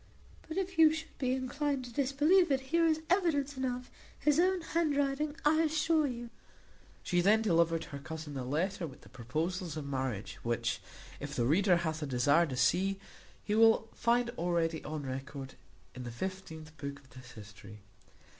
But if you should be inclined to disbelieve it, here is evidence enough, his own handwriting, I assure you." She then delivered her cousin the letter with the proposals of marriage, which, if the reader hath a desire to see, he will find already on record in the XVth book of this history.